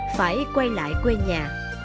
phải quay lại quê nhà